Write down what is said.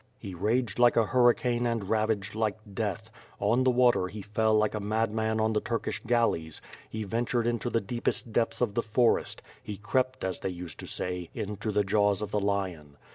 He raged like a hurricane and ravaged like death; on the water he fell like a madman on the Turkish galleys; he ventured into the deepest depths of the forest; he crept as they used to say, into the jaws of the lion.